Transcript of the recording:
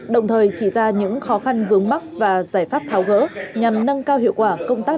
đồng thời chỉ ra những khó khăn vướng mắt và giải pháp tháo gỡ nhằm nâng cao hiệu quả công tác